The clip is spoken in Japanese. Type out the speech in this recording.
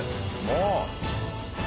もう。